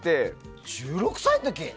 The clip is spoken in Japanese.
１６歳の時？